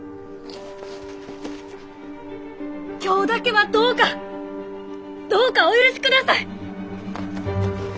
今日だけはどうかどうかお許しください！